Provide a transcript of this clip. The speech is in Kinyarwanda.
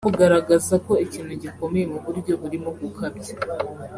kugaragaza ko ikintu gikomeye mu buryo burimo gukabya